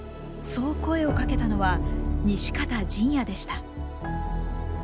そう声をかけたのは西方仁也でした。